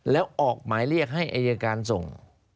แล้วออกหมายเรียกให้อายการส่ง